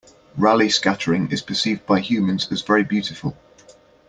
Raleigh scattering is perceived by humans as very beautiful.